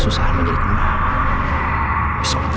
bisa kita bermain main sebentar